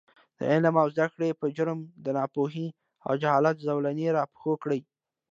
د عـلم او زده کـړې پـه جـرم د نـاپـوهـۍ او جـهالـت زولـنې راپښـو کـړي .